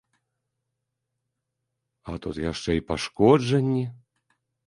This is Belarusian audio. А тут яшчэ і пашкоджанні.